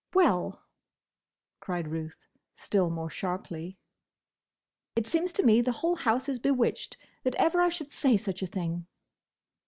"Well!" cried Ruth, still more sharply. "It seems to me the whole house is bewitched—that ever I should say such a thing."